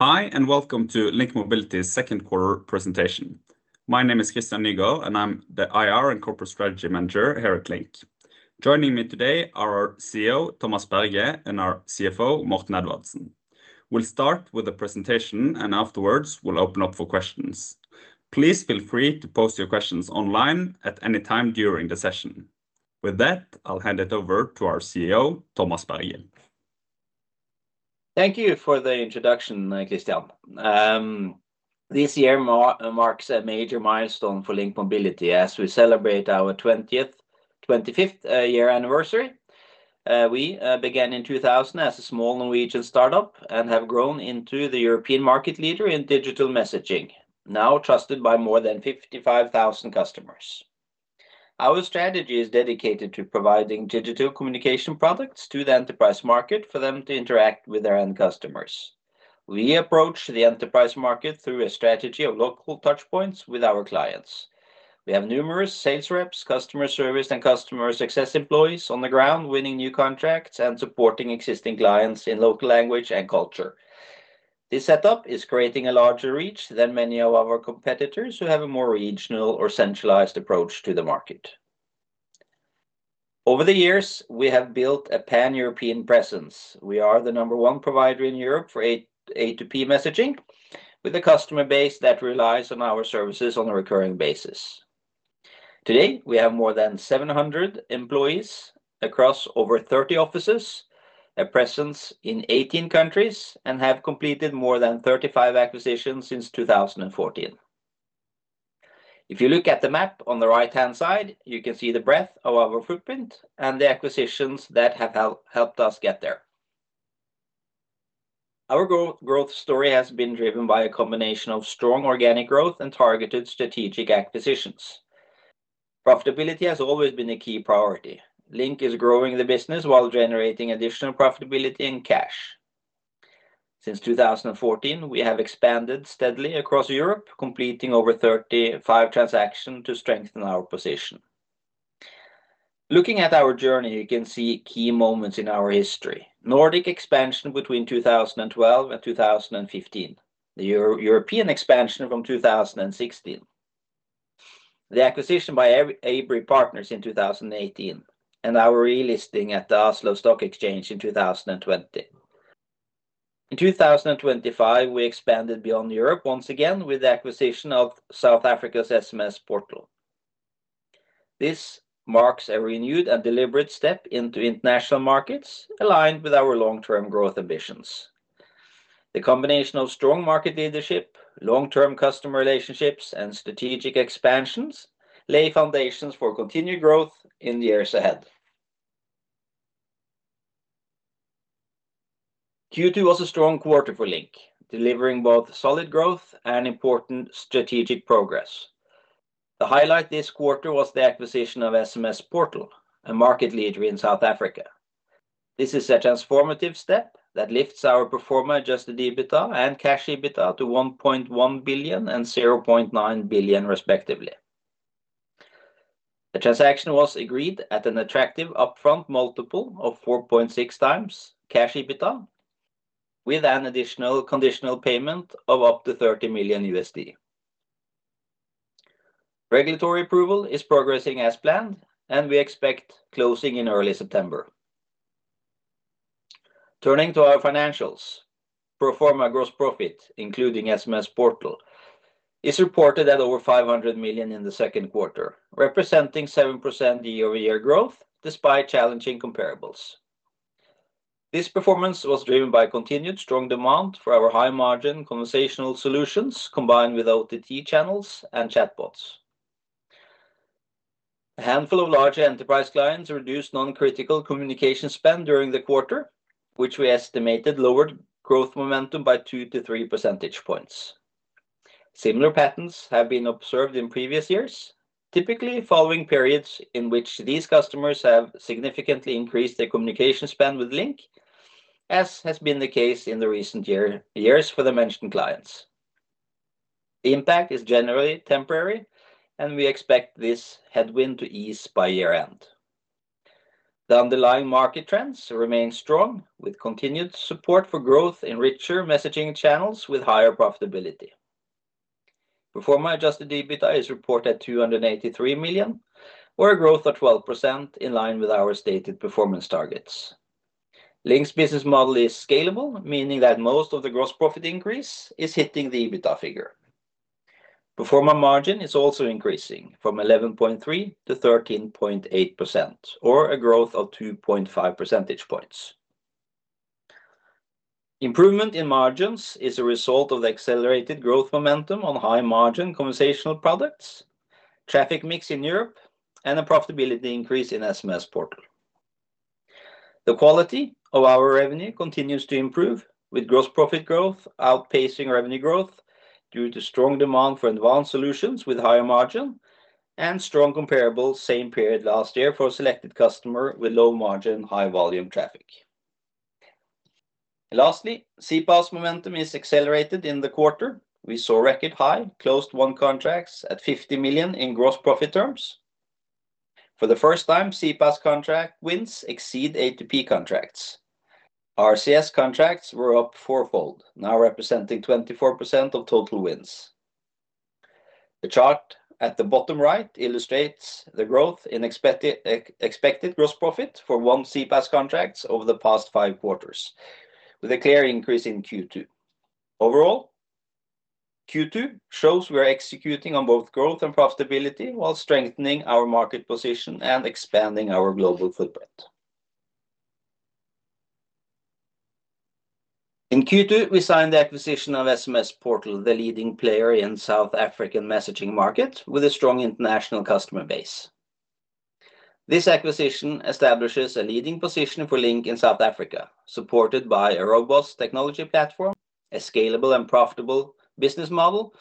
Hi, and welcome to Link Mobility's second quarter presentation. My name is Christian Nygård, and I'm the IR & Corporate Strategy Manager here at Link. Joining me today are our CEO, Thomas Berge, and our CFO, Morten Edvardsen. We'll start with a presentation, and afterwards, we'll open up for questions. Please feel free to post your questions online at any time during the session. With that, I'll hand it over to our CEO, Thomas Berge. Thank you for the introduction, Christian. This year marks a major milestone for Link Mobility as we celebrate our 25th year anniversary. We began in 2000 as a small Norwegian startup and have grown into the European market leader in digital messaging, now trusted by more than 55,000 customers. Our strategy is dedicated to providing digital communication products to the enterprise market for them to interact with their end customers. We approach the enterprise market through a strategy of local touchpoints with our clients. We have numerous sales reps, customer service, and customer success employees on the ground, winning new contracts and supporting existing clients in local language and culture. This setup is creating a larger reach than many of our competitors who have a more regional or centralized approach to the market. Over the years, we have built a pan-European presence. We are the number one provider in Europe for A2P messaging, with a customer base that relies on our services on a recurring basis. Today, we have more than 700 employees across over 30 offices, a presence in 18 countries, and have completed more than 35 acquisitions since 2014. If you look at the map on the right-hand side, you can see the breadth of our footprint and the acquisitions that have helped us get there. Our growth story has been driven by a combination of strong organic growth and targeted strategic acquisitions. Profitability has always been a key priority. Link is growing the business while generating additional profitability and cash. Since 2014, we have expanded steadily across Europe, completing over 35 transactions to strengthen our position. Looking at our journey, you can see key moments in our history: Nordic expansion between 2012 and 2015, the European expansion from 2016, the acquisition by Abry Partners in 2018, and our relisting at the Oslo Stock Exchange in 2020. In 2023, we expanded beyond Europe once again with the acquisition of South Africa's SMSPortal. This marks a renewed and deliberate step into international markets, aligned with our long-term growth ambitions. The combination of strong market leadership, long-term customer relationships, and strategic expansions lay foundations for continued growth in the years ahead. Q2 was a strong quarter for Link, delivering both solid growth and important strategic progress. The highlight this quarter was the acquisition of SMSPortal, a market leader in South Africa. This is a transformative step that lifts our pro forma adjusted EBITDA and cash EBITDA 1.1 billion and 0.9 billion, respectively. The transaction was agreed at an attractive upfront multiple of 4.6x cash EBITDA, with an additional conditional payment of up to $30 million. Regulatory approval is progressing as planned, and we expect closing in early September. Turning to our financials, pro forma gross profit, including SMSPortal, is reported at over 500 million in the second quarter, representing 7% year-over-year growth despite challenging comparables. This performance was driven by continued strong demand for our high-margin conversational solutions combined with OTT channels and chatbots. A handful of larger enterprise clients reduced non-critical communication spend during the quarter, which we estimated lowered growth momentum by 2 percentage points to 3 percentage points. Similar patterns have been observed in previous years, typically following periods in which these customers have significantly increased their communication spend with Link Mobility, as has been the case in recent years for the mentioned clients. The impact is generally temporary, and we expect this headwind to ease by year-end. The underlying market trends remain strong, with continued support for growth in richer messaging channels with higher profitability. Pro forma adjusted EBITDA is reported at 283 million, or a growth of 12% in line with our stated performance targets. Link Mobility's business model is scalable, meaning that most of the gross profit increase is hitting the EBITDA figure. Pro forma margin is also increasing from 11.3% to 13.8%, or a growth of 2.5 percentage points. Improvement in margins is a result of the accelerated growth momentum on high-margin conversational products, traffic mix in Europe, and a profitability increase in SMSPortal. The quality of our revenue continues to improve, with gross profit growth outpacing revenue growth due to strong demand for advanced solutions with higher margin and strong comparables same period last year for a selected customer with low margin, high volume traffic. Lastly, CPaaS momentum is accelerated in the quarter. We saw record high closed won contracts at 50 million in gross profit terms. For the first time, CPaaS contract wins exceed A2P contracts. RCS contracts were up fourfold, now representing 24% of total wins. The chart at the bottom right illustrates the growth in expected gross profit for one CPaaS contract over the past five quarters, with a clear increase in Q2. Overall, Q2 shows we're executing on both growth and profitability while strengthening our market position and expanding our global footprint. In Q2, we signed the acquisition of SMSPortal, the leading player in the South African messaging market, with a strong international customer base. This acquisition establishes a leading position for Link in South Africa, supported by a robust technology platform, a scalable and profitable business model,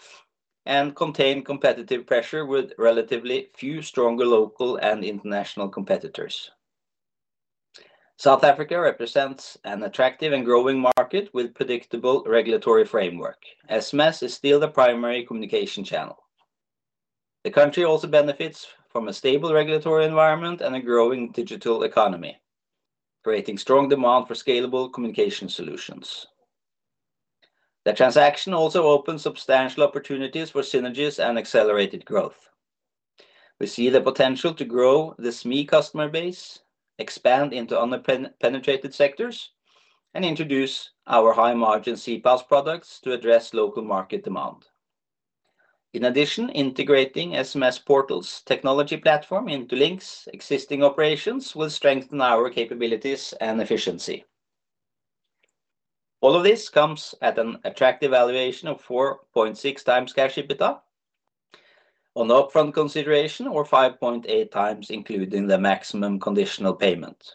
and contained competitive pressure with relatively few stronger local and international competitors. South Africa represents an attractive and growing market with a predictable regulatory framework. SMS is still the primary communication channel. The country also benefits from a stable regulatory environment and a growing digital economy, creating strong demand for scalable communication solutions. The transaction also opens substantial opportunities for synergies and accelerated growth. We see the potential to grow the SME customer base, expand into unpenetrated sectors, and introduce our high-margin CPaaS products to address local market demand. In addition, integrating SMSPortal's technology platform into Link's existing operations will strengthen our capabilities and efficiency. All of this comes at an attractive valuation of 4.6x cash EBITDA on the upfront consideration, or 5.8x including the maximum conditional payment.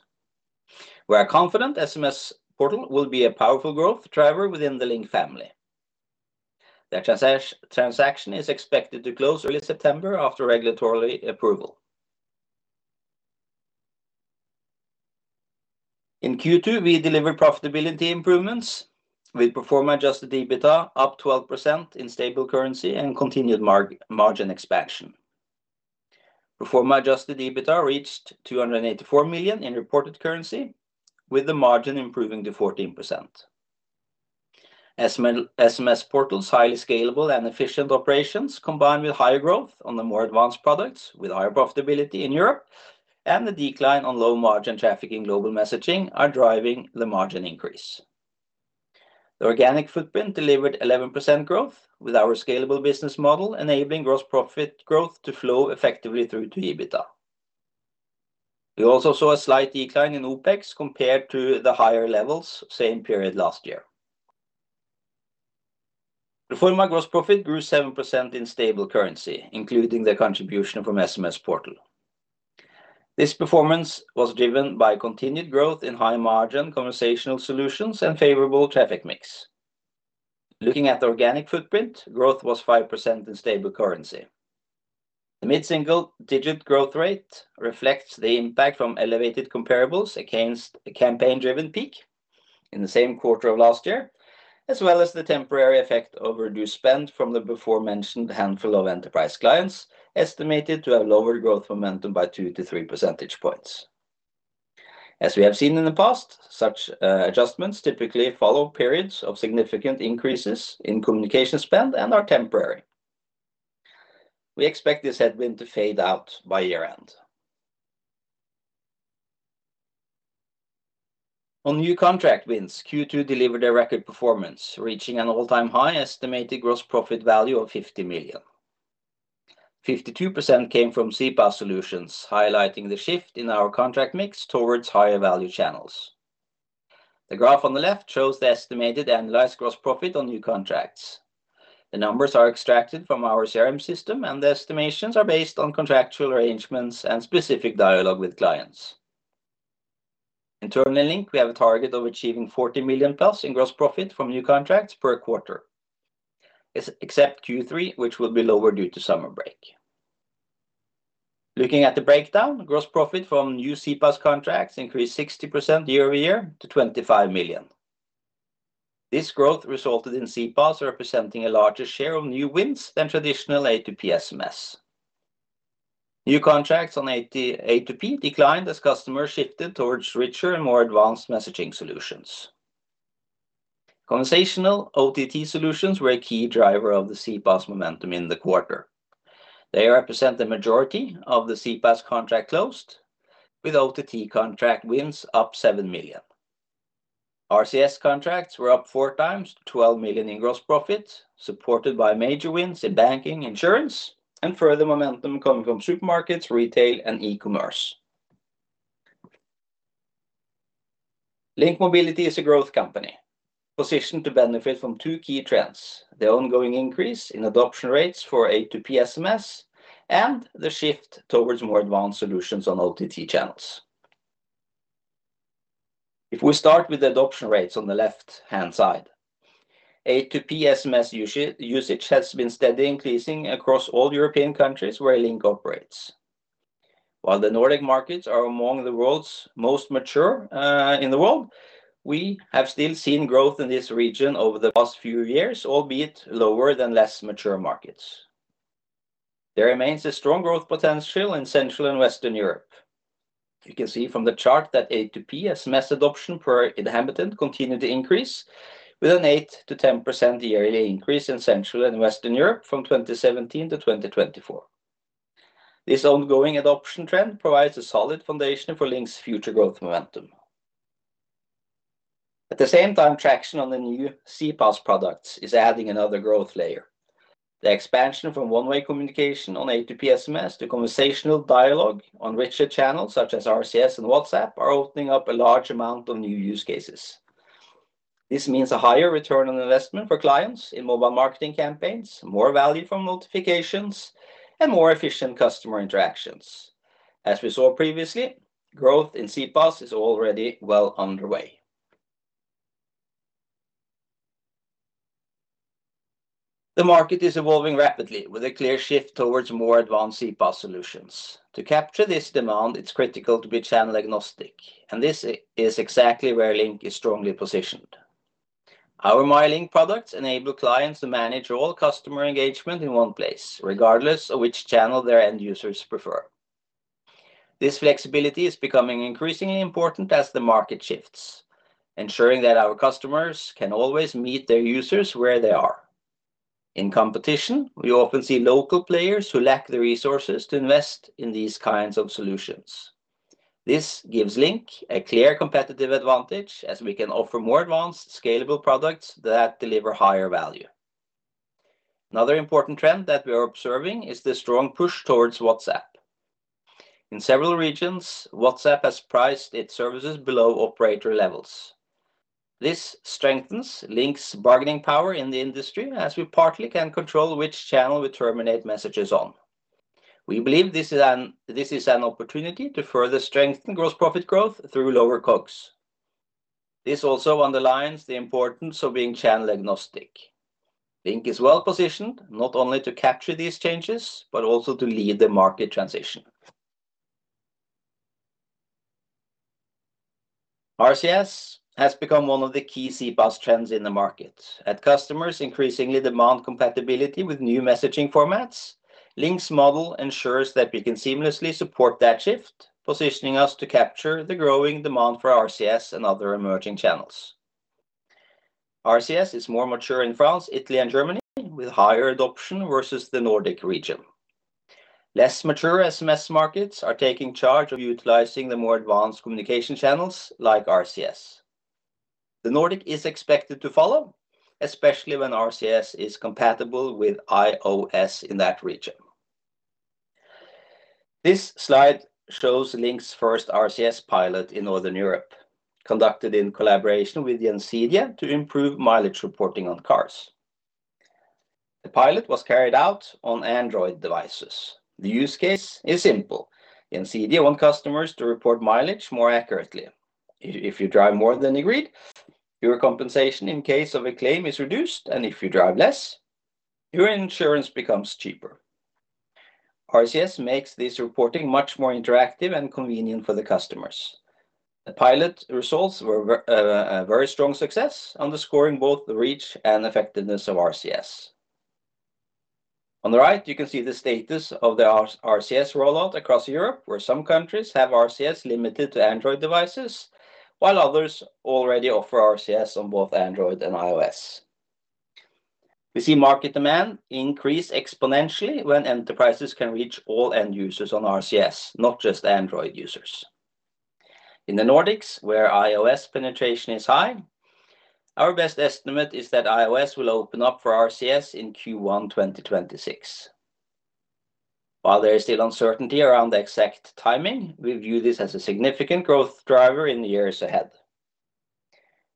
We are confident SMSPortal will be a powerful growth driver within the Link Mobility family. The transaction is expected to close early September after regulatory approval. In Q2, we delivered profitability improvements with pro forma adjusted EBITDA up 12% in stable currency and continued margin expansion. Pro forma adjusted EBITDA reached 284 million in reported currency, with the margin improving to 14%. SMS Portal's highly scalable and efficient operations, combined with higher growth on the more advanced products with higher profitability in Europe, and the decline on low margin traffic in global messaging are driving the margin increase. The organic footprint delivered 11% growth, with our scalable business model enabling gross profit growth to flow effectively through to EBITDA. We also saw a slight decline in OpEx compared to the higher levels same period last year. Pro forma gross profit grew 7% in stable currency, including the contribution from SMSPortal. This performance was driven by continued growth in high-margin conversational solutions and favorable traffic mix. Looking at the organic footprint, growth was 5% in stable currency. The mid-single-digit growth rate reflects the impact from elevated comparables against a campaign-driven peak in the same quarter of last year, as well as the temporary effect of reduced spend from the before-mentioned handful of enterprise clients estimated to have lowered growth momentum by 2 percentage points to 3 percentage points. As we have seen in the past, such adjustments typically follow periods of significant increases in communication spend and are temporary. We expect this headwind to fade out by year-end. On new contract wins, Q2 delivered a record performance, reaching an all-time high estimated gross profit value of 50 million. 52% came from CPaaS solutions, highlighting the shift in our contract mix towards higher value channels. The graph on the left shows the estimated annualized gross profit on new contracts. The numbers are extracted from our CRM system, and the estimations are based on contractual arrangements and specific dialogue with clients. Internally, we have a target of achieving 40 million plus in gross profit from new contracts per quarter, except Q3, which will be lower due to summer break. Looking at the breakdown, gross profit from new CPaaS contracts increased 60% year-over-year to 25 million. This growth resulted in CPaaS representing a larger share of new wins than traditional A2P SMS. New contracts on A2P declined as customers shifted towards richer and more advanced messaging solutions. Conversational OTT solutions were a key driver of the CPaaS momentum in the quarter. They represent the majority of the CPaaS contracts closed, with OTT contract wins up 7 million. RCS contracts were up 4x, 12 million in gross profits, supported by major wins in banking, insurance, and further momentum coming from supermarkets, retail, and e-commerce. Link Mobility is a growth company, positioned to benefit from two key trends: the ongoing increase in adoption rates for A2P SMS and the shift towards more advanced solutions on OTT channels. If we start with the adoption rates on the left-hand side, A2P SMS usage has been steadily increasing across all European countries where Link operates. While the Nordic markets are among the world's most mature in the world, we have still seen growth in this region over the past few years, albeit lower than less mature markets. There remains a strong growth potential in Central and Western Europe. You can see from the chart that A2P SMS adoption per inhabitant continued to increase, with an 8%-10% yearly increase in Central and Western Europe from 2017 to 2024. This ongoing adoption trend provides a solid foundation for Link's future growth momentum. At the same time, traction on the new CPaaS products is adding another growth layer. The expansion from one-way communication on A2P SMS to conversational dialogue on richer channels such as RCS and WhatsApp are opening up a large amount of new use cases. This means a higher return on investment for clients in mobile marketing campaigns, more value from notifications, and more efficient customer interactions. As we saw previously, growth in CPaaS is already well underway. The market is evolving rapidly with a clear shift towards more advanced CPaaS solutions. To capture this demand, it's critical to be channel agnostic, and this is exactly where Link is strongly positioned. Our MyLink products enable clients to manage all customer engagement in one place, regardless of which channel their end users prefer. This flexibility is becoming increasingly important as the market shifts, ensuring that our customers can always meet their users where they are. In competition, we often see local players who lack the resources to invest in these kinds of solutions. This gives Link a clear competitive advantage, as we can offer more advanced, scalable products that deliver higher value. Another important trend that we are observing is the strong push towards WhatsApp. In several regions, WhatsApp has priced its services below operator levels. This strengthens Link Mobility's bargaining power in the industry, as we partly can control which channel we terminate messages on. We believe this is an opportunity to further strengthen gross profit growth through lower COGS. This also underlines the importance of being channel agnostic. Link is well positioned not only to capture these changes but also to lead the market transition. RCS has become one of the key CPaaS trends in the market. As customers increasingly demand compatibility with new messaging formats, Link Mobility's model ensures that we can seamlessly support that shift, positioning us to capture the growing demand for RCS and other emerging channels. RCS is more mature in France, Italy, and Germany, with higher adoption versus the Nordic region. Less mature SMS markets are taking charge of utilizing the more advanced communication channels like RCS. The Nordics are expected to follow, especially when RCS is compatible with iOS in that region. This slide shows Link's first RCS pilot in Northern Europe, conducted in collaboration with Insidia to improve mileage reporting on cars. The pilot was carried out on Android devices. The use case is simple. Insidia wants customers to report mileage more accurately. If you drive more than agreed, your compensation in case of a claim is reduced, and if you drive less, your insurance becomes cheaper. RCS makes this reporting much more interactive and convenient for the customers. The pilot results were a very strong success, underscoring both the reach and effectiveness of RCS. On the right, you can see the status of the RCS rollout across Europe, where some countries have RCS limited to Android devices, while others already offer RCS on both Android and iOS. We see market demand increase exponentially when enterprises can reach all end users on RCS, not just Android users. In the Nordics, where iOS penetration is high, our best estimate is that iOS will open up for RCS in Q1 2026. While there is still uncertainty around the exact timing, we view this as a significant growth driver in the years ahead.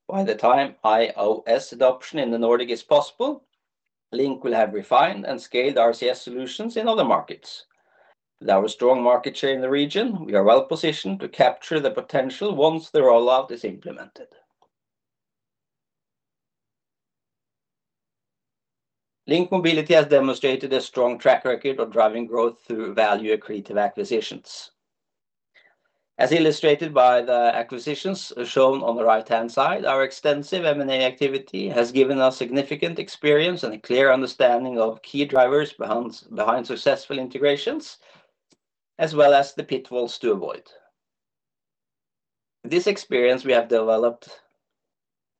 By the time iOS adoption in the Nordics is possible, Link will have refined and scaled RCS solutions in other markets. With our strong market share in the region, we are well positioned to capture the potential once the rollout is implemented. Link Mobility has demonstrated a strong track record of driving growth through value accretive acquisitions. As illustrated by the acquisitions shown on the right-hand side, our extensive M&A activity has given us significant experience and a clear understanding of key drivers behind successful integrations, as well as the pitfalls to avoid. In this experience, we have developed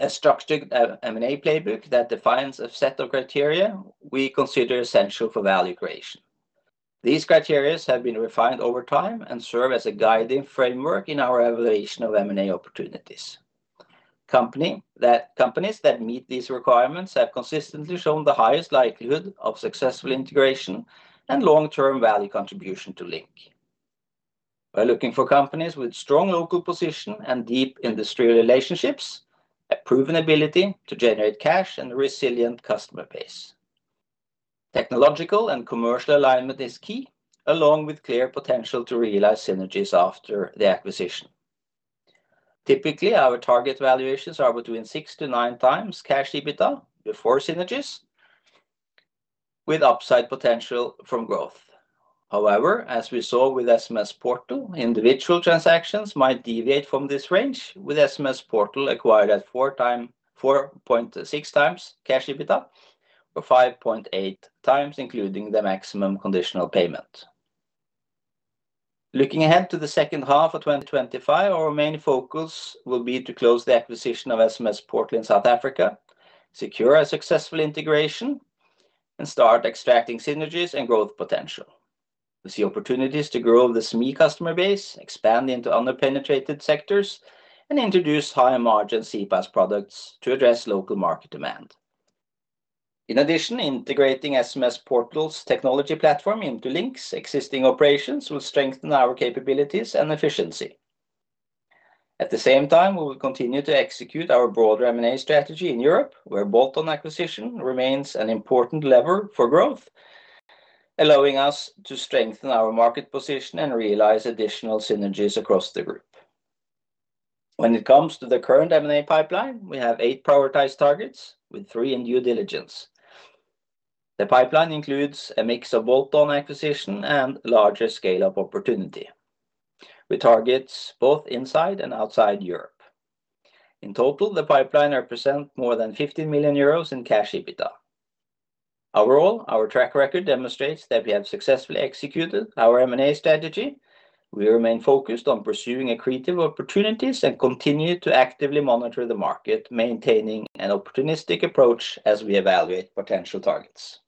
a structured M&A playbook that defines a set of criteria we consider essential for value creation. These criteria have been refined over time and serve as a guiding framework in our evaluation of M&A opportunities. Companies that meet these requirements have consistently shown the highest likelihood of successful integration and long-term value contribution to Link. We're looking for companies with strong local position and deep industry relationships, proven ability to generate cash, and a resilient customer base. Technological and commercial alignment is key, along with clear potential to realize synergies after the acquisition. Typically, our target valuations are between 6x-9x cash EBITDA before synergies, with upside potential from growth. However, as we saw with SMSPortal, individual transactions might deviate from this range, with SMSPortal acquired at 4.6x cash EBITDA or 5.8x, including the maximum conditional payment. Looking ahead to the second half of 2025, our main focus will be to close the acquisition of SMSPortal in South Africa, secure a successful integration, and start extracting synergies and growth potential. We see opportunities to grow the SME customer base, expand into unpenetrated sectors, and introduce high-margin CPaaS products to address local market demand. In addition, integrating SMSPortal's technology platform into Link Mobility's existing operations will strengthen our capabilities and efficiency. At the same time, we will continue to execute our broader M&A strategy in Europe, where bolt-on acquisition remains an important lever for growth, allowing us to strengthen our market position and realize additional synergies across the group. When it comes to the current M&A pipeline, we have eight prioritized targets, with three in due diligence. The pipeline includes a mix of bolt-on acquisition and larger scale-up opportunity, with targets both inside and outside Europe. In total, the pipeline represents more than €15 million in cash EBITDA. Overall, our track record demonstrates that we have successfully executed our M&A strategy. We remain focused on pursuing accretive opportunities and continue to actively monitor the market, maintaining an opportunistic approach as we evaluate potential targets.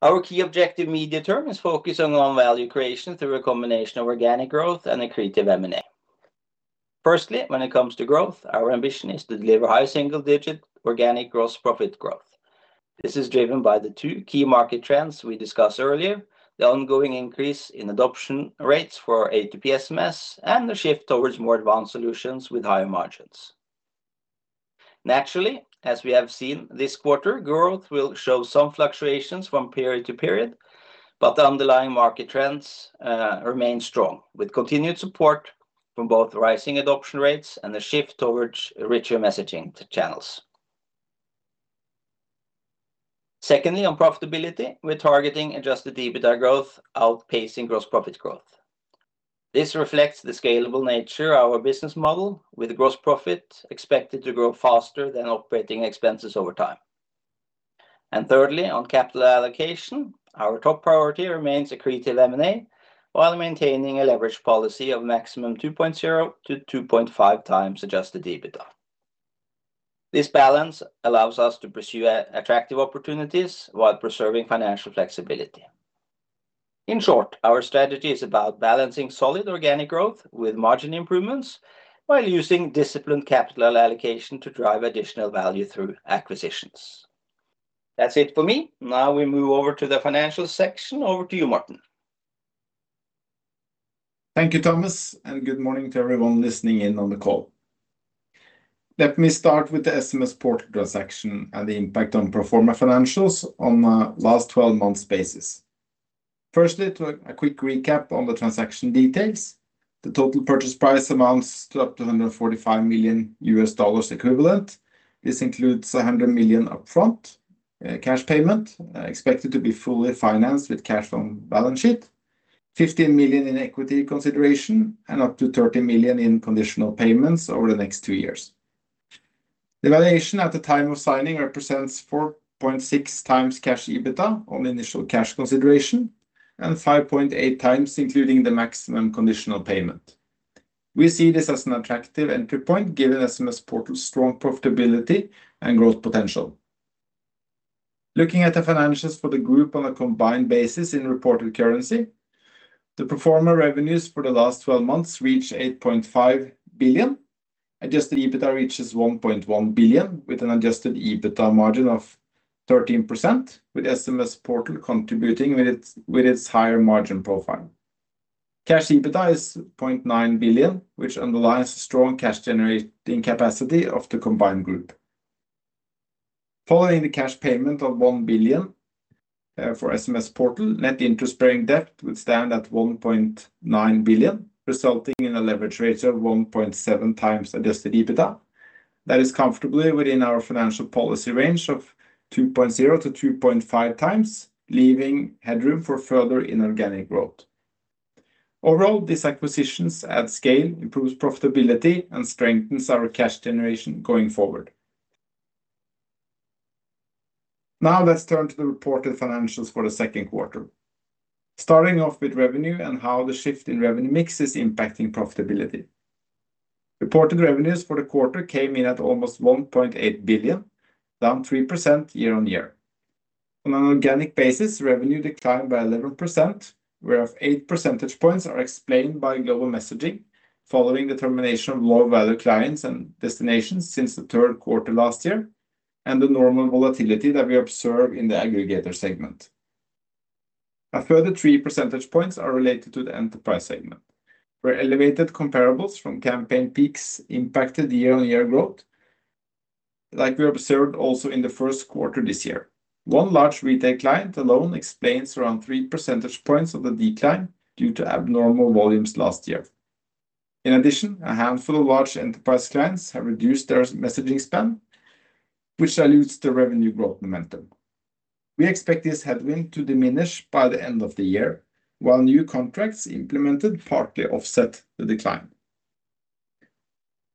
Our key objective in the interim is focusing on value creation through a combination of organic growth and accretive M&A. Firstly, when it comes to growth, our ambition is to deliver high single-digit organic gross profit growth. This is driven by the two key market trends we discussed earlier: the ongoing increase in adoption rates for A2P SMS and the shift towards more advanced solutions with higher margins. Naturally, as we have seen this quarter, growth will show some fluctuations from period to period, but the underlying market trends remain strong, with continued support from both rising adoption rates and a shift towards richer messaging channels. Secondly, on profitability, we're targeting adjusted EBITDA growth outpacing gross profit growth. This reflects the scalable nature of our business model, with gross profit expected to grow faster than operating expenses over time. Thirdly, on capital allocation, our top priority remains accretive M&A, while maintaining a leverage policy of a maximum 2.0x-2.5x times adjusted EBITDA. This balance allows us to pursue attractive opportunities while preserving financial flexibility. In short, our strategy is about balancing solid organic growth with margin improvements, while using disciplined capital allocation to drive additional value through acquisitions. That's it for me. Now we move over to the financial section. Over to you, Morten. Thank you, Thomas, and good morning to everyone listening in on the call. Let me start with the SMSPortal transaction and the impact on pro forma financials on the last 12 months' basis. Firstly, a quick recap on the transaction details. The total purchase price amounts to up to $145 million equivalent. This includes 100 million upfront cash payment expected to be fully financed with cash on the balance sheet, 15 million in equity consideration, and up to 30 million in conditional payments over the next two years. The valuation at the time of signing represents 4.6x cash EBITDA on initial cash consideration and 5.8x, including the maximum conditional payment. We see this as an attractive entry point given SMSPortal's strong profitability and growth potential. Looking at the financials for the group on a combined basis in reported currency, the pro forma revenues for the last 12 months reach 8.5 billion. Adjusted EBITDA reaches 1.1 billion, with an adjusted EBITDA margin of 13%, with SMSPortal contributing with its higher margin profile. Cash EBITDA is 0.9 billion, which underlines the strong cash generating capacity of the combined group. Following the cash payment of 1 billion for SMSPortal, net interest-bearing debt would stand at 1.9 billion, resulting in a leverage rate of 1.7x adjusted EBITDA. That is comfortably within our financial policy range of 2.0x-2.5x, leaving headroom for further inorganic growth. Overall, these acquisitions at scale improve profitability and strengthen our cash generation going forward. Now let's turn to the reported financials for the second quarter, starting off with revenue and how the shift in revenue mix is impacting profitability. Reported revenues for the quarter came in at almost 1.8 billion, down 3% year-on-year. On an organic basis, revenue declined by 11%, where 8 percentage points are explained by global messaging following the termination of low-value clients and destinations since the third quarter last year, and the normal volatility that we observe in the aggregator segment. A further 3 percentage points are related to the enterprise segment, where elevated comparables from campaign peaks impacted year-on-year growth, like we observed also in the first quarter this year. One large retail client alone explains around 3 percentage points of the decline due to abnormal volumes last year. In addition, a handful of large enterprise clients have reduced their messaging spend, which dilutes the revenue growth momentum. We expect this headwind to diminish by the end of the year, while new contracts implemented partly offset the decline.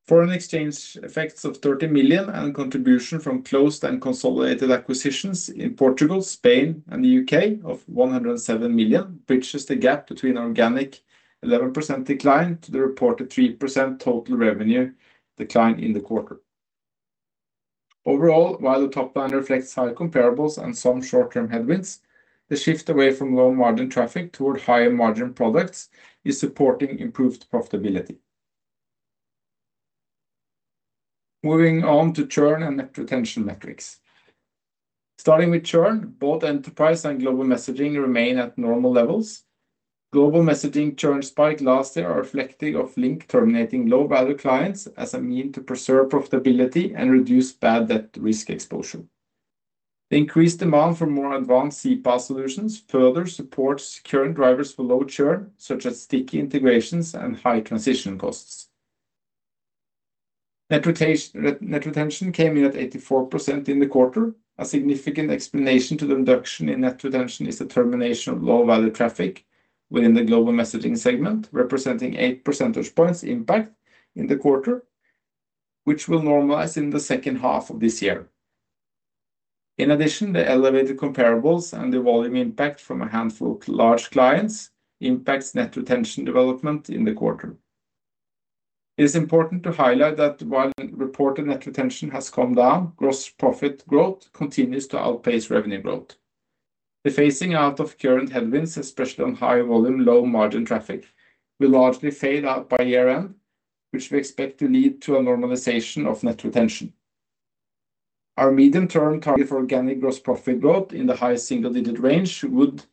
Foreign exchange effects of 30 million and contribution from closed and consolidated acquisitions in Portugal, Spain, and the U.K. of 107 million bridge the gap between organic 11% decline to the reported 3% total revenue decline in the quarter. Overall, while the top line reflects high comparables and some short-term headwinds, the shift away from low-margin traffic toward higher margin products is supporting improved profitability. Moving on to churn and net retention metrics. Starting with churn, both enterprise and global messaging remain at normal levels. Global messaging churn spikes last year are reflective of Link terminating low-value clients as a means to preserve profitability and reduce bad debt risk exposure. The increased demand for more advanced CPaaS solutions further supports current drivers for low churn, such as sticky integrations and high transition costs. Net retention came in at 84% in the quarter. A significant explanation to the reduction in net retention is the termination of low-value traffic within the global messaging segment, representing 8 percentage points' impact in the quarter, which will normalize in the second half of this year. In addition, the elevated comparables and the volume impact from a handful of large clients impact net retention development in the quarter. It is important to highlight that while reported net retention has gone down, gross profit growth continues to outpace revenue growth. The phasing out of current headwinds, especially on high volume, low margin traffic, will largely fall out by year-end, which we expect to lead to a normalization of net retention. Our medium-term target for organic gross profit growth in the high single-digit range would,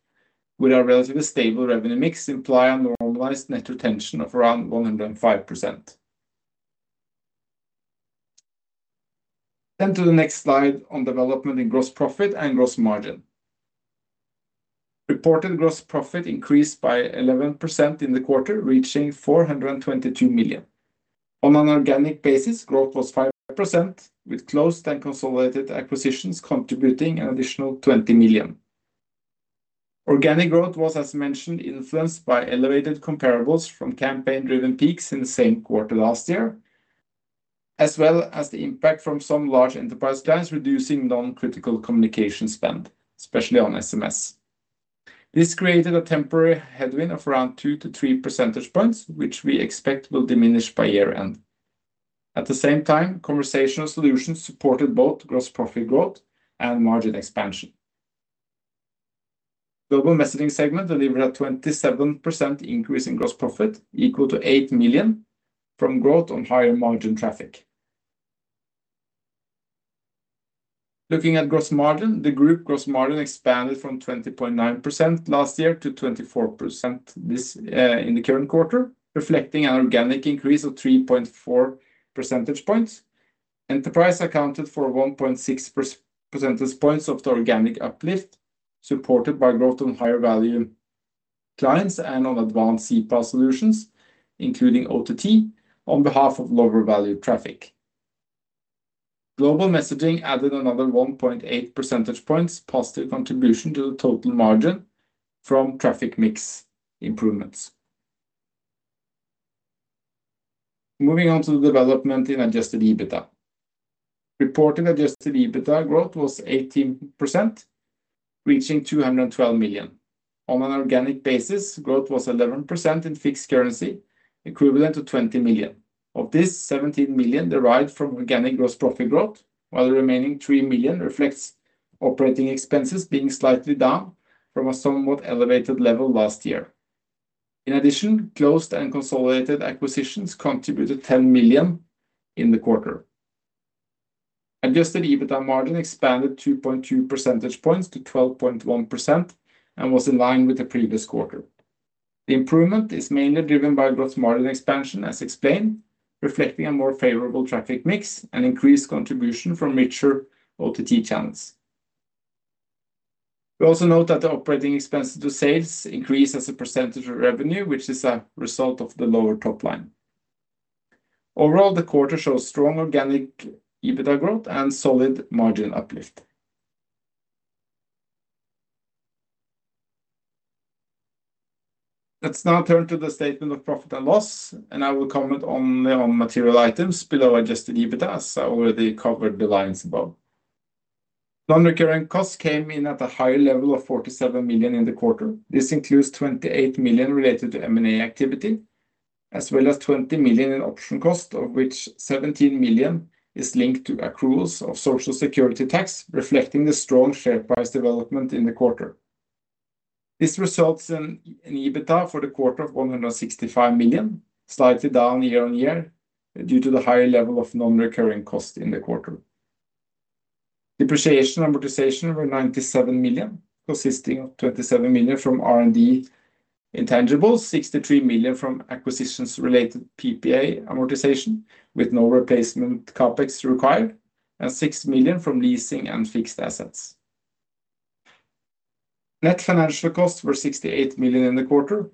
with a relatively stable revenue mix, imply a normalized net retention of around 105%. Next, on development in gross profit and gross margin. Reported gross profit increased by 11% in the quarter, reaching 422 million. On an organic basis, growth was 5%, with closed and consolidated acquisitions contributing an additional 20 million. Organic growth was, as mentioned, influenced by elevated comparables from campaign-driven peaks in the same quarter last year, as well as the impact from some large enterprise clients reducing non-critical communication spend, especially on SMS. This created a temporary headwind of around 2% to 3%, which we expect will diminish by year-end. At the same time, conversational solutions supported both gross profit growth and margin expansion. Global messaging segment delivered a 27% increase in gross profit, equal to 8 million from growth on higher margin traffic. Looking at gross margin, the group gross margin expanded from 20.9% last year to 24% in the current quarter, reflecting an organic increase of 3.4 percentage points. Enterprise accounted for 1.6 percentage points of the organic uplift, supported by growth on higher value clients and on advanced CPaaS solutions, including OTT, on behalf of lower value traffic. Global messaging added another 1.8 percentage points positive contribution to the total margin from traffic mix improvements. Moving on to the development in adjusted EBITDA. Reported adjusted EBITDA growth was 18%, reaching 212 million. On an organic basis, growth was 11% in fixed currency, equivalent to 20 million. Of this, 17 million derived from organic gross profit growth, while the remaining 3 million reflects operating expenses being slightly down from a somewhat elevated level last year. In addition, closed and consolidated acquisitions contributed 10 million in the quarter. Adjusted EBITDA margin expanded 2.2 percentage points to 12.1% and was in line with the previous quarter. The improvement is mainly driven by gross margin expansion, as explained, reflecting a more favorable traffic mix and increased contribution from richer OTT channels. We also note that the operating expenses to sales increase as a percentage of revenue, which is a result of the lower top line. Overall, the quarter shows strong organic EBITDA growth and solid margin uplift. Let's now turn to the statement of profit and loss, and I will comment only on material items below adjusted EBITDA, as I already covered the lines above. Non-recurring costs came in at a higher level of 47 million in the quarter. This includes 28 million related to M&A activity, as well as 20 million in option costs, of which 17 million is linked to accruals of Social Security tax, reflecting the strong share price development in the quarter. This results in an EBITDA for the quarter of 165 million, slightly down year on year due to the higher level of non-recurring costs in the quarter. Depreciation amortization was 97 million, consisting of 27 million from R&D intangibles, 63 million from acquisitions-related PPA amortization, with no replacement CapEx required, and 6 million from leasing and fixed assets. Net financial costs were 68 million in the quarter.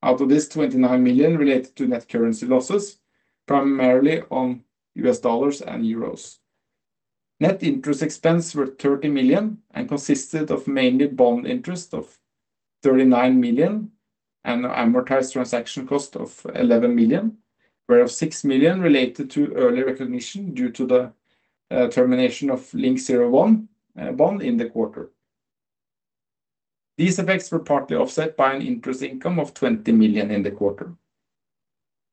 Out of this, 29 million related to net currency losses, primarily on U.S., dollars and euros. Net interest expense was 30 million and consisted of mainly bond interest of 39 million and an amortized transaction cost of 11 million, where 6 million related to early recognition due to the termination of Link 01 bond in the quarter. These effects were partly offset by an interest income of 20 million in the quarter.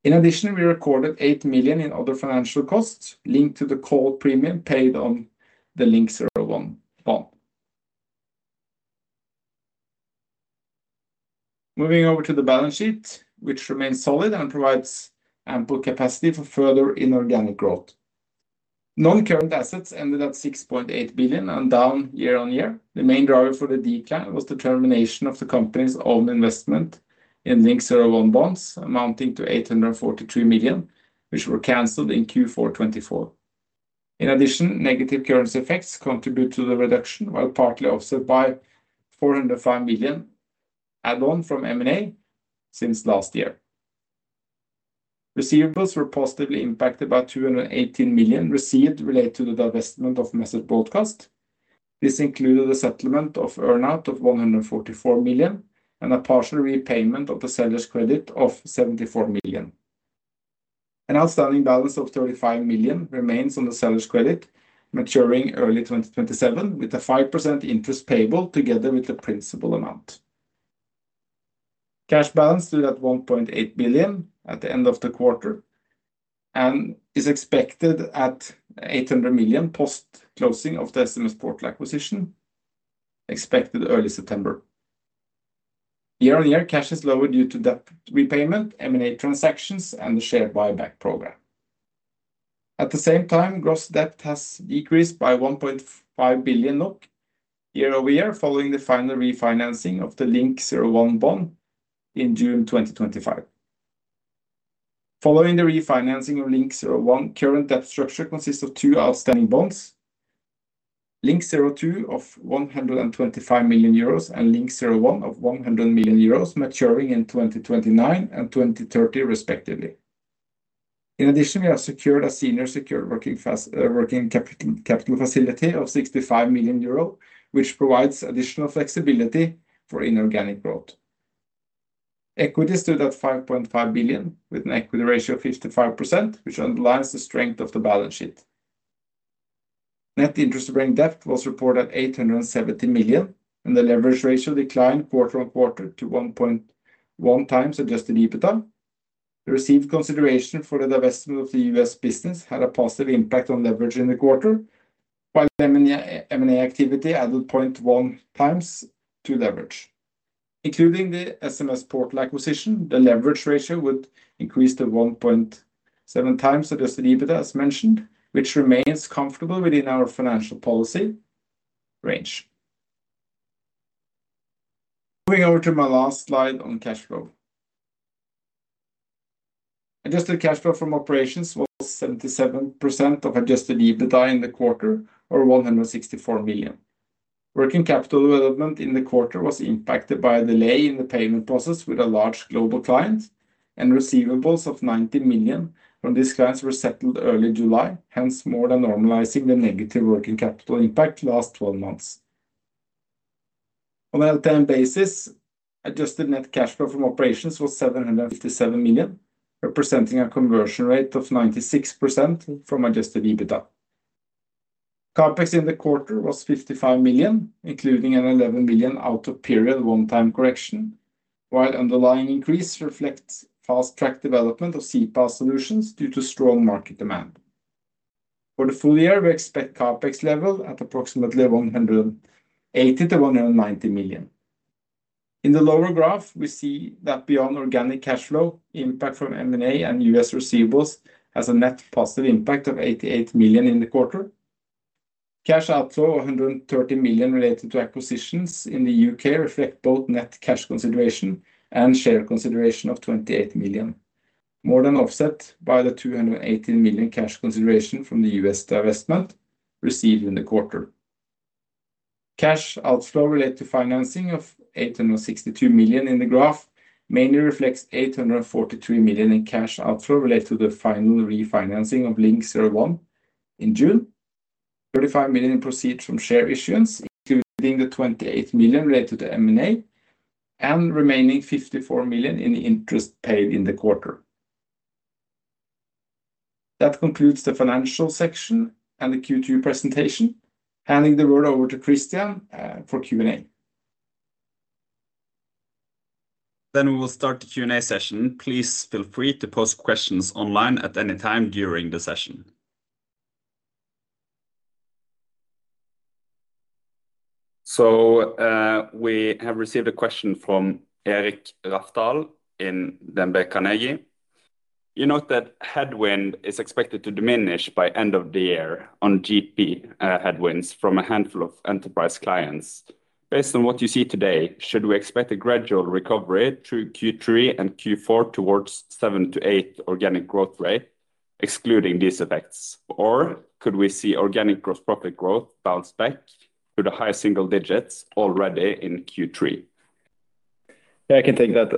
In addition, we recorded 8 million in other financial costs linked to the call premium paid on the Link 01 bond. Moving over to the balance sheet, which remains solid and provides ample capacity for further inorganic growth. Non-current assets ended at 6.8 billion and down year-on-year. The main driver for the decline was the termination of the company's own investment in Link 01 bonds, amounting to 843 million, which were canceled in Q4 2024. In addition, negative currency effects contribute to the reduction, while partly offset by 405 million add-on from M&A since last year. Receivables were positively impacted by 218 million received related to the divestment of Method Broadcast. This included the settlement of earnout of 144 million and a partial repayment of the seller's credit of 74 million. An outstanding balance of 35 million remains on the seller's credit, maturing early 2027, with a 5% interest payable together with the principal amount. Cash balance stood at 1.8 billion at the end of the quarter and is expected at 800 million post-closing of the SMSPortal acquisition, expected early September. Year-on-year, cash is lower due to debt repayment, M&A transactions, and the share buyback program. At the same time, gross debt has decreased by 1.5 billion NOK year-over-year following the final refinancing of the Link 01 bond in June 2025. Following the refinancing of Link 01, current debt structure consists of two outstanding bonds: Link 02 of €125 million and Link 01 of €100 million, maturing in 2029 and 2030, respectively. In addition, we have secured a senior secured working capital facility of €65 million, which provides additional flexibility for inorganic growth. Equity stood at 5.5 billion, with an equity ratio of 55%, which underlines the strength of the balance sheet. Net interest-bearing debt was reported at 870 million, and the leverage ratio declined quarter on quarter to 1.1x adjusted EBITDA. The received consideration for the divestment of the U.S., business had a positive impact on leverage in the quarter, while M&A activity added 0.1x to leverage. Including the SMSPortal acquisition, the leverage ratio would increase to 1.7x adjusted EBITDA, as mentioned, which remains comfortable within our financial policy range. Moving over to my last slide on cash flow. Adjusted cash flow from operations was 77% of adjusted EBITDA in the quarter, or 164 million. Working capital development in the quarter was impacted by a delay in the payment process with a large global client and receivables of 90 million. On these clients were settled early July, hence more than normalizing the negative working capital impact last 12 months. On the LTM basis, adjusted net cash flow from operations was 757 million, representing a conversion rate of 96% from adjusted EBITDA. CapEx in the quarter was €55 million, including an 11 million out-of-period one-time correction, while underlying increase reflects fast-track development of CPaaS solutions due to strong market demand. For the full year, we expect CAPEX level at approximately 180-190 million. In the lower graph, we see that beyond organic cash flow, impact from M&A and U.S. receivables has a net positive impact of 88 million in the quarter. Cash outflow of 130 million related to acquisitions in the U.K. reflects both net cash consideration and share consideration of 28 million, more than offset by the 218 million cash consideration from the U.S. divestment received in the quarter. Cash outflow related to financing of 862 million in the graph mainly reflects 843 million in cash outflow related to the final refinancing of Link 01 in June, 35 million in proceeds from share issuance, including the 28 million related to M&A, and remaining 54 million in interest paid in the quarter. That concludes the financial section and the Q2 presentation. Handing the word over to Christian for Q&A. We will start the Q&A session. Please feel free to post questions online at any time during the session. We have received a question from Erik Raftal in DNB Carnegie. You note that headwind is expected to diminish by end of the year on gross profit headwinds from a handful of enterprise clients. Based on what you see today, should we expect a gradual recovery through Q3 and Q4 towards 7%-8% organic growth rate, excluding these effects? Could we see organic gross profit growth bounce back to the high single digits already in Q3? Yeah, I can take that.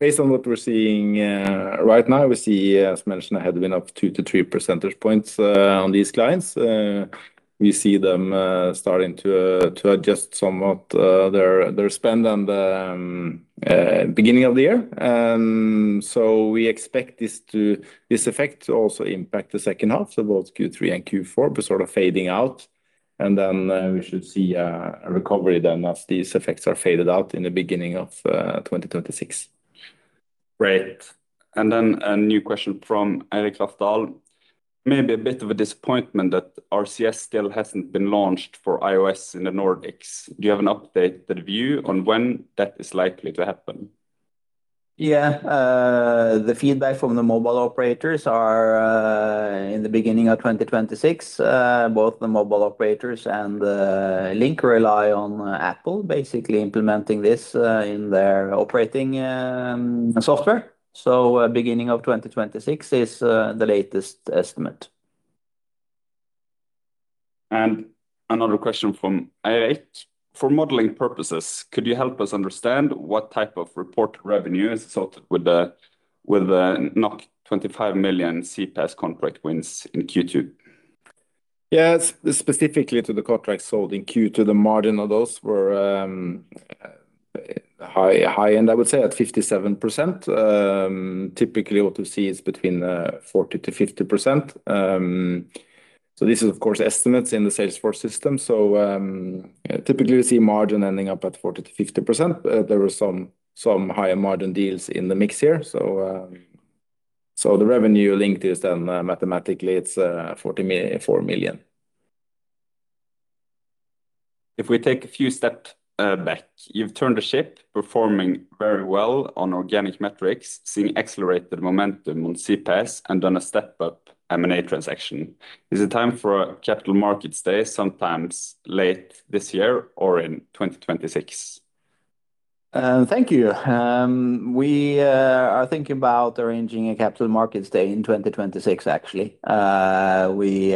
Based on what we're seeing right now, we see, as mentioned, a headwind of 2 percentage points to 3 percentage points on these clients. We see them starting to adjust somewhat their spend at the beginning of the year. We expect this effect to also impact the second half of both Q3 and Q4, but sort of fading out. We should see a recovery then as these effects are faded out in the beginning of 2026. Great. A new question from Erik Raftal. Maybe a bit of a disappointment that RCS still hasn't been launched for iOS in the Nordics. Do you have an updated view on when that is likely to happen? Yeah, the feedback from the mobile operators is in the beginning of 2026. Both the mobile operators and Link rely on Apple basically implementing this in their operating software. The beginning of 2026 is the latest estimate. For modeling purposes, could you help us understand what type of report revenue is sorted with the 25 million CPaaS contract wins in Q2? Yeah, specifically to the contracts sold in Q2, the margin of those were high, and I would say at 57%. Typically, what we see is between 40%-50%. This is, of course, estimates in the Salesforce system. Typically, we see margin ending up at 40%-50%. There were some higher margin deals in the mix here. The revenue linked is then mathematically, it's NOK 44 million. If we take a few steps back, you've turned the ship, performing very well on organic metrics, seeing accelerated momentum on CPaaS, and then a step-up M&A transaction. Is it time for a capital markets day, sometime late this year or in 2026? Thank you. We are thinking about arranging a capital markets day in 2026, actually. We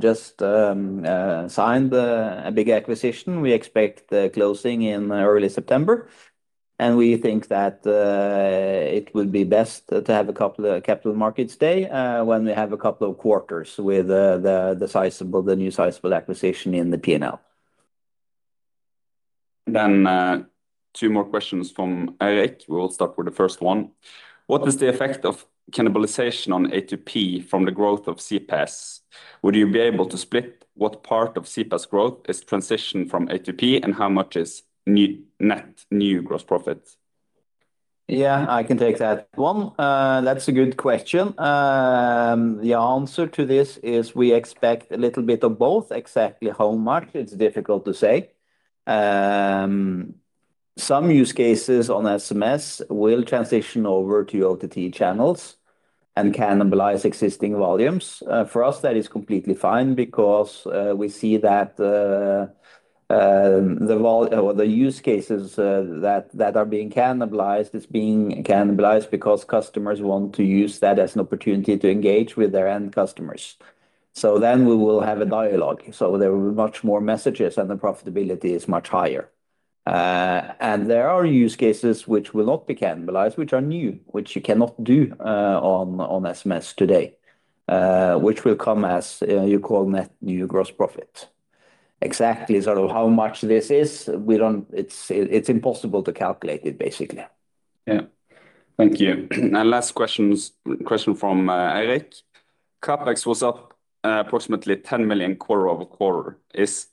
just signed a big acquisition. We expect the closing in early September. We think that it would be best to have a capital markets day when we have a couple of quarters with the new sizable acquisition in the P&L. Two more questions from Erik. We'll start with the first one. What is the effect of cannibalization on A2P from the growth of CPaaS? Would you be able to split what part of CPaaS growth is transitioned from A2P and how much is net new gross profit? Yeah, I can take that one. That's a good question. The answer to this is we expect a little bit of both. Exactly how much, it's difficult to say. Some use cases on SMS will transition over to OTT channels and cannibalize existing volumes. For us, that is completely fine because we see that the use cases that are being cannibalized are being cannibalized because customers want to use that as an opportunity to engage with their end customers. We will have a dialogue, so there will be much more messages and the profitability is much higher. There are use cases which will not be cannibalized, which are new, which you cannot do on SMS today, which will come as you call net new gross profit. Exactly sort of how much this is, we don't, it's impossible to calculate it basically. Thank you. Last question from Erik. CapEx was up approximately 10 million quarter-over-quarter. Is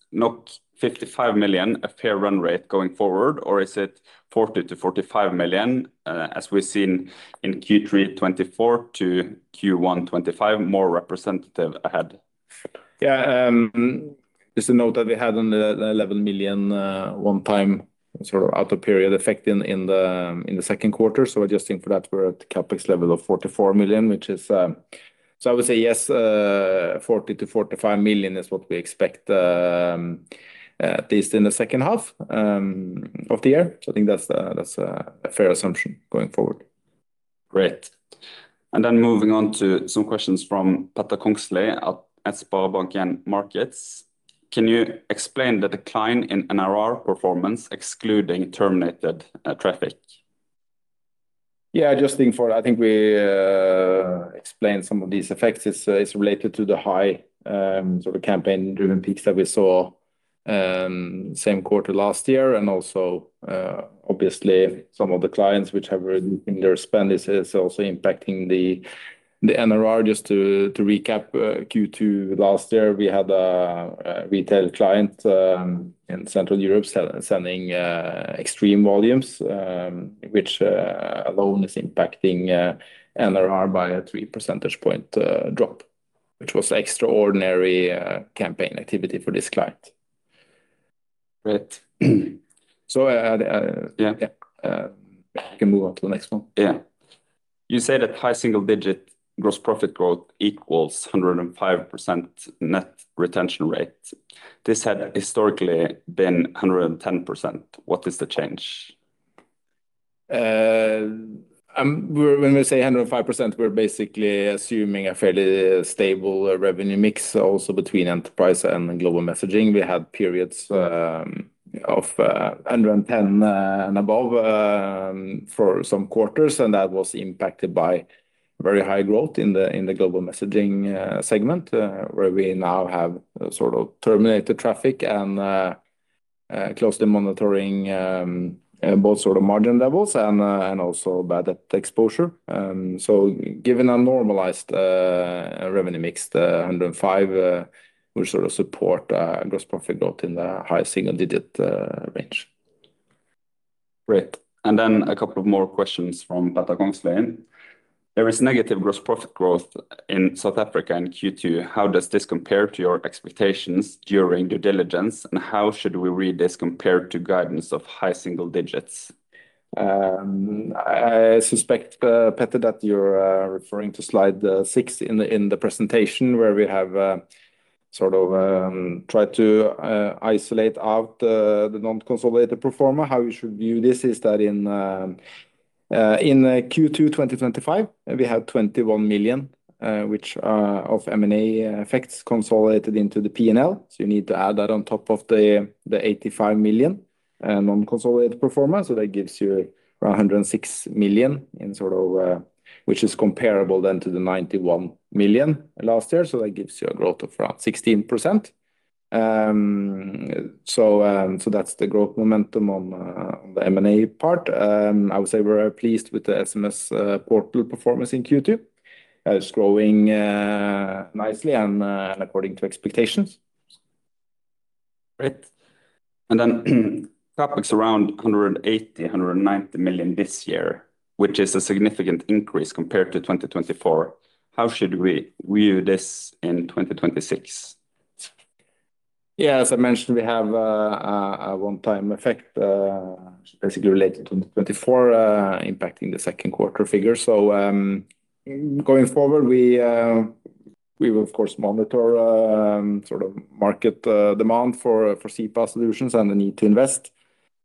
55 million a fair run rate going forward, or is it 40 million-45 million, as we've seen in Q3 2024 to Q1 2025, more representative ahead? Yeah, just to note that we had on the 11 million one-time sort of out-of-period effect in the second quarter. Adjusting for that, we're at a CapEx level of 44 million, which is, I would say yes, 40 million- 45 million is what we expect, at least in the second half of the year. I think that's a fair assumption going forward. Great. Moving on to some questions from Pata Kongslie at SpareBank 1 Markets. Can you explain the decline in NRR performance, excluding terminated traffic? Yeah, just think for, I think we explained some of these effects. It's related to the high sort of campaign-driven peaks that we saw in the same quarter last year. Also, obviously, some of the clients which have reduced their spend is also impacting the NRR. Just to recap, Q2 last year, we had a retail client in Central Europe sending extreme volumes, which alone is impacting NRR by a 3% drop. It was extraordinary campaign activity for this client. Great. Yeah, I can move on to the next one. Yeah. You say that high single-digit gross profit growth equals 105% net retention rate. This had historically been 110%. What is the change? When we say 105%, we're basically assuming a fairly stable revenue mix also between enterprise and global messaging. We had periods of 110% and above for some quarters, and that was impacted by very high growth in the global messaging segment, where we now have sort of terminated traffic and closely monitoring both sort of margin levels and also bad debt exposure. Given a normalized revenue mix, 105% supports gross profit growth in the high single-digit range. Great. A couple of more questions from Pata Kongsliee. There is negative gross profit growth in South Africa in Q2. How does this compare to your expectations during due diligence, and how should we read this compared to guidance of high single digits? I suspect, Pata, that you're referring to slide six in the presentation, where we have sort of tried to isolate out the non-consolidated pro forma. How you should view this is that in Q2 2025, we had 21 million, which are of M&A effects consolidated into the P&L. You need to add that on top of the 85 million non-consolidated pro formas. That gives you around 106 million, which is comparable then to the 91 million last year. That gives you a growth of around 16%. That's the growth momentum on the M&A part. I would say we're pleased with the SMSPortal performance in Q2. It's growing nicely and according to expectations. Great. CapEx around 180 million-190 million this year, which is a significant increase compared to 2024. How should we view this in 2026? Yeah, as I mentioned, we have a one-time effect, basically related to 2024, impacting the second quarter figures. Going forward, we will, of course, monitor sort of market demand for CPaaS solutions and the need to invest.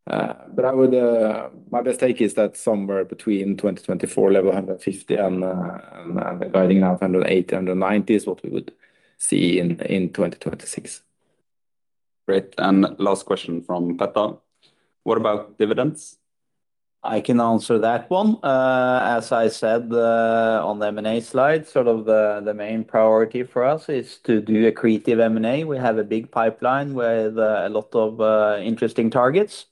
My best take is that somewhere between 2024 level 150 and the guiding of 108, 190 is what we would see in 2026. Great. Last question from Pata. What about dividends? I can answer that one. As I said on the M&A slide, the main priority for us is to do accretive M&A. We have a big pipeline with a lot of interesting targets.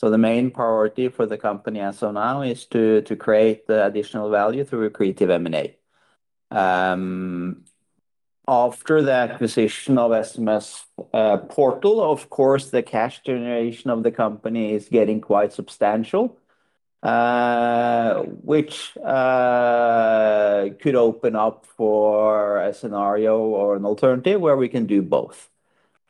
The main priority for the company as of now is to create the additional value through accretive M&A. After the acquisition of SMSPortal, of course, the cash generation of the company is getting quite substantial, which could open up for a scenario or an alternative where we can do both.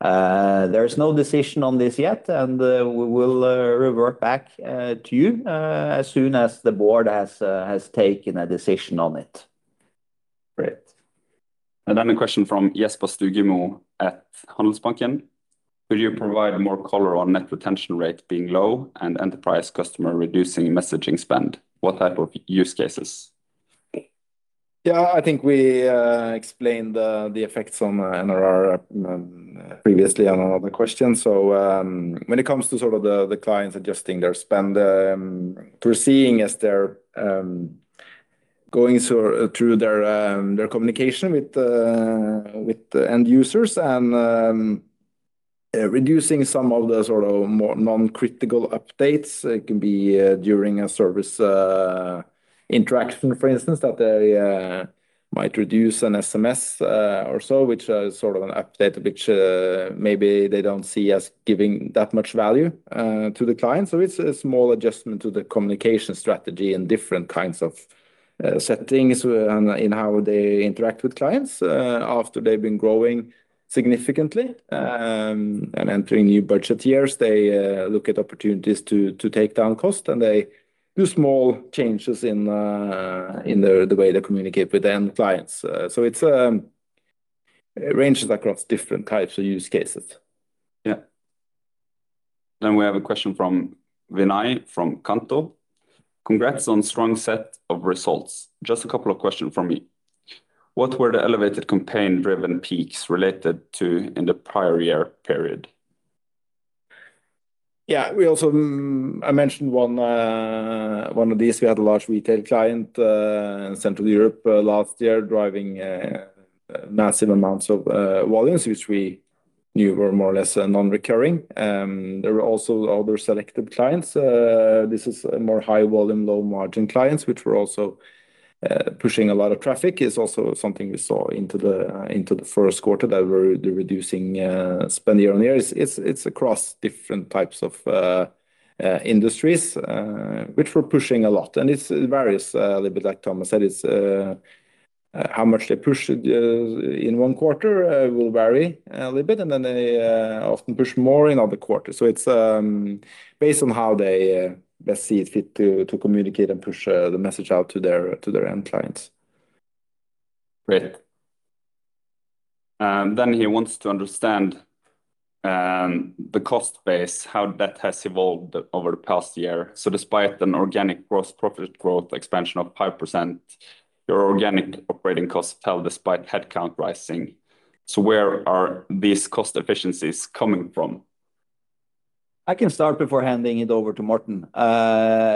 There's no decision on this yet, and we will revert back to you as soon as the board has taken a decision on it. Great. A question from Jesper Stegumo at Handelsbanken. Could you provide more color on net retention rate being low and enterprise customer reducing messaging spend? What type of use cases? Yeah, I think we explained the effects on NRR previously on another question. When it comes to sort of the clients adjusting their spend, we're seeing as they're going through their communication with end users and reducing some of the sort of non-critical updates. It could be during a service interaction, for instance, that they might reduce an SMS or so, which is sort of an update which maybe they don't see as giving that much value to the client. It's a small adjustment to the communication strategy and different kinds of settings in how they interact with clients. After they've been growing significantly and entering new budget years, they look at opportunities to take down costs, and they do small changes in the way they communicate with end clients. It ranges across different types of use cases. Yeah. We have a question from Vinay from Kanto. Congrats on a strong set of results. Just a couple of questions from you. What were the elevated campaign-driven peaks related to in the prior year period? Yeah, I mentioned one of these. We had a large retail client in Central Europe last year driving massive amounts of volumes, which we knew were more or less non-recurring. There were also other selected clients. This is more high volume, low margin clients, which were also pushing a lot of traffic. It's also something we saw into the first quarter that we're reducing spend year on year. It's across different types of industries, which were pushing a lot. It varies a little bit, like Thomas said. It's how much they push in one quarter will vary a little bit, and then they often push more in other quarters. It's based on how they best see it fit to communicate and push the message out to their end clients. Great. He wants to understand the cost base, how that has evolved over the past year. Despite an organic gross profit growth expansion of 5%, your organic operating costs fell despite headcount rising. Where are these cost efficiencies coming from? I can start before handing it over to Morten.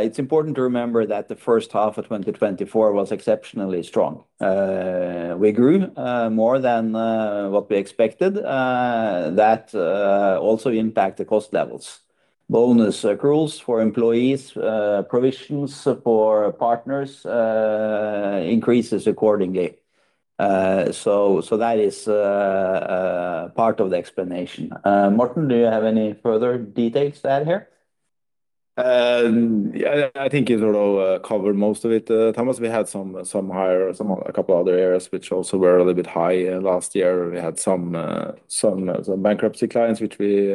It's important to remember that the first half of 2024 was exceptionally strong. We grew more than what we expected. That also impacted cost levels. Bonus accruals for employees, provisions for partners increased accordingly. That is part of the explanation. Morten, do you have any further details to add here? I think you sort of covered most of it, Thomas. We had some higher, some a couple of other areas which also were a little bit high last year. We had some bankruptcy clients, which we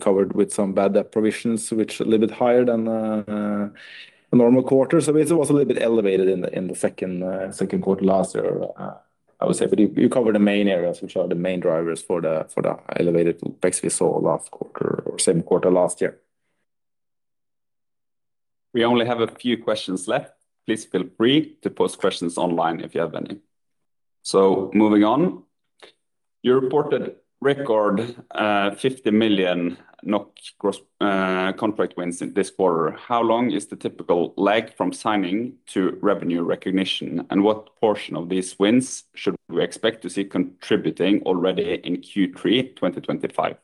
covered with some bad debt provisions, which were a little bit higher than the normal quarter. It was a little bit elevated in the second quarter last year, I would say. You covered the main areas, which are the main drivers for the elevated CPaaS we saw last quarter or same quarter last year. We only have a few questions left. Please feel free to post questions online if you have any. Moving on, you reported record 50 million NOK contract wins in this quarter. How long is the typical lag from signing to revenue recognition? What portion of these wins should we expect to see contributing already in Q3 2025?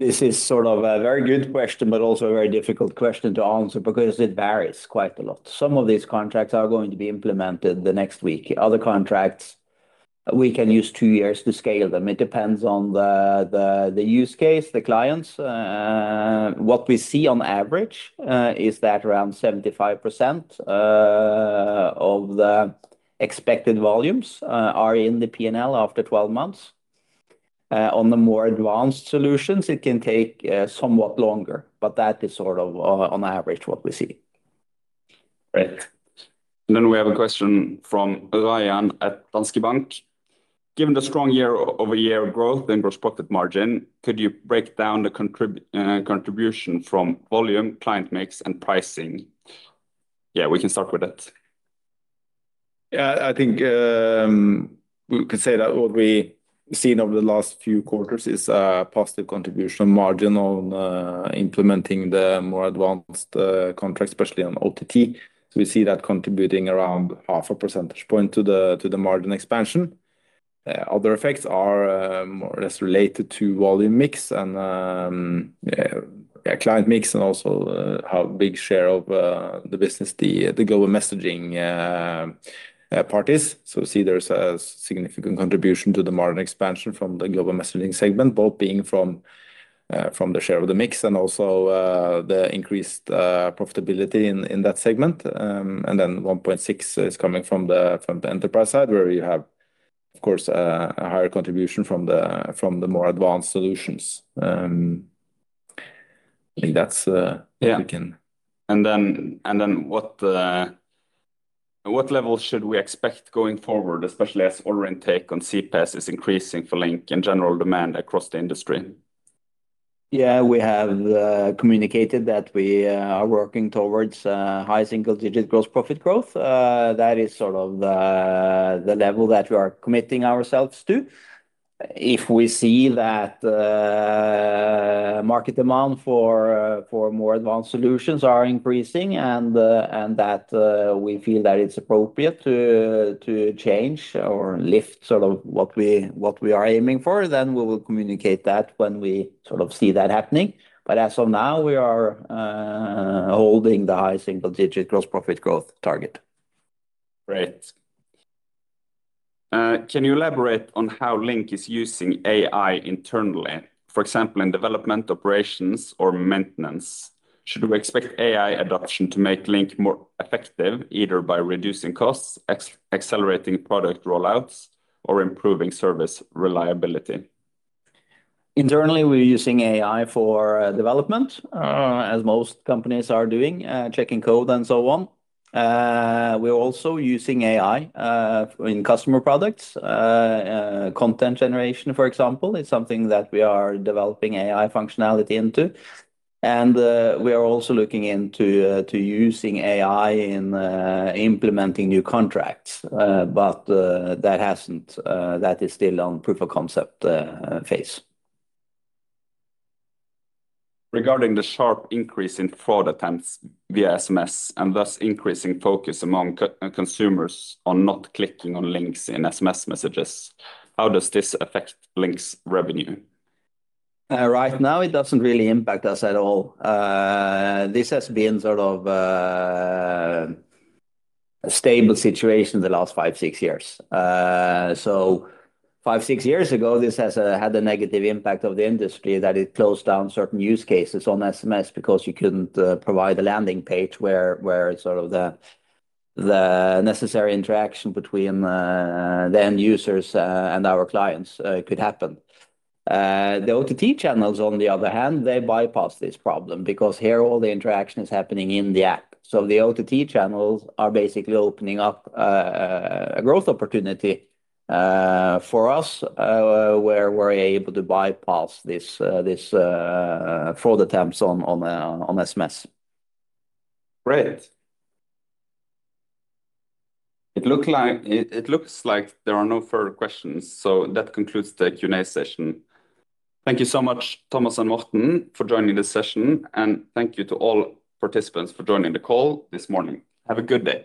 This is sort of a very good question, but also a very difficult question to answer because it varies quite a lot. Some of these contracts are going to be implemented the next week. Other contracts, we can use two years to scale them. It depends on the use case, the clients. What we see on average is that around 75% of the expected volumes are in the P&L after 12 months. On the more advanced solutions, it can take somewhat longer, but that is sort of on average what we see. Great. We have a question from Advaayan at Danske Bank. Given the strong year-over-year growth in gross profit margin, could you break down the contribution from volume, client mix, and pricing? Yeah, we can start with that. Yeah, I think we can say that what we've seen over the last few quarters is a positive contribution of margin on implementing the more advanced contracts, especially on OTT. We see that contributing around half a percentage point to the margin expansion. Other effects are more or less related to volume mix and client mix and also how big share of the business the global messaging part is. We see there's a significant contribution to the margin expansion from the global messaging segment, both being from the share of the mix and also the increased profitability in that segment. 1.6% is coming from the enterprise side, where you have, of course, a higher contribution from the more advanced solutions. I think that's it. What level should we expect going forward, especially as order intake on CPaaS is increasing for Link in general demand across the industry? Yeah, we have communicated that we are working towards high single-digit gross profit growth. That is sort of the level that we are committing ourselves to. If we see that market demand for more advanced solutions is increasing and that we feel that it's appropriate to change or lift sort of what we are aiming for, we will communicate that when we sort of see that happening. As of now, we are holding the high single-digit gross profit growth target. Great. Can you elaborate on how Link is using AI internally? For example, in development operations or maintenance, should we expect AI adoption to make Link more effective, either by reducing costs, accelerating product rollouts, or improving service reliability? Internally, we're using AI for development, as most companies are doing, checking code and so on. We're also using AI in customer products. Content generation, for example, is something that we are developing AI functionality into. We are also looking into using AI in implementing new contracts, but that is still on the proof of concept phase. Regarding the sharp increase in fraud attempts via SMS and thus increasing focus among consumers on not clicking on links and SMS messages, how does this affect Links's revenue? Right now, it doesn't really impact us at all. This has been sort of a stable situation in the last five, six years. Five, six years ago, this had a negative impact on the industry that it closed down certain use cases on SMS because you couldn't provide a landing page where the necessary interaction between the end users and our clients could happen. The OTT channels, on the other hand, bypass this problem because all the interaction is happening in the app. The OTT channels are basically opening up a growth opportunity for us where we're able to bypass these fraud attempts on SMS. Great. It looks like there are no further questions, so that concludes the Q&A session. Thank you so much, Thomas and Morten, for joining this session, and thank you to all participants for joining the call this morning. Have a good day.